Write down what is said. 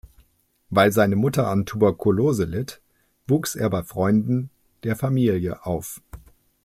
Weil seine Mutter an Tuberkulose litt, wuchs er bei Freunden der Familie auf.